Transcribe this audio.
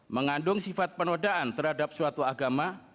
mengandung sifat penodaan terhadap suatu agama